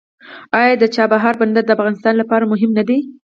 آیا د چابهار بندر د افغانستان لپاره مهم نه دی؟